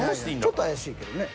ちょっと怪しいけどね。